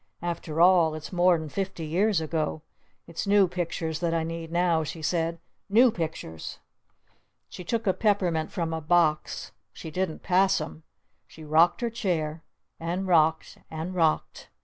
After all, it's more'n fifty years ago. It's new pictures that I need now," she said. "New pictures!" She took a peppermint from a box. She didn't pass 'em. She rocked her chair. And rocked. And rocked.